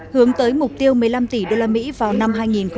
hướng tới mục tiêu một mươi năm tỷ usd vào năm hai nghìn hai mươi